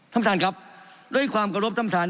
ท่านประธานครับด้วยความกระลบท่านประธาน